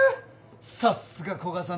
さっすが古賀さんだぜ。